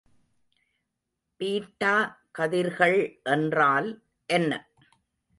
Beta கதிர்கள் என்றால் என்ன?